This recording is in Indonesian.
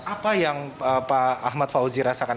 apa yang pak ahmad fauzi rasakan